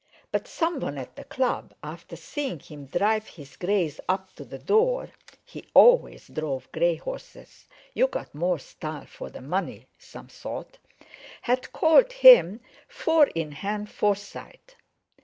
But someone at the Club, after seeing him drive his greys up to the door—he always drove grey horses, you got more style for the money, some thought—had called him "Four in hand Forsyte."